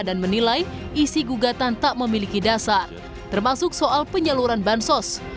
dan menilai isi kugatan tak memiliki dasar termasuk soal penyaluran bansos